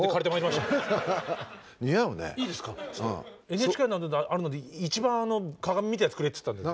ＮＨＫにあるので一番鏡みたいなやつくれって言ったんです。